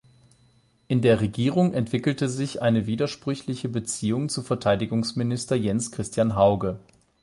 In der Regierung entwickelte sich eine widersprüchliche Beziehung zu Verteidigungsminister Jens Christian Hauge.